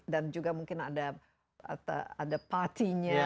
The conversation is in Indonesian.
dan juga mungkin ada party nya